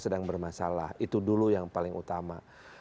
sedang bermasalah itu dulu yang paling utama